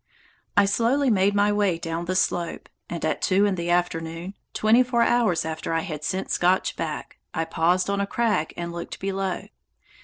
I slowly made my way down the slope, and at two in the afternoon, twenty four hours after I had sent Scotch back, I paused on a crag and looked below.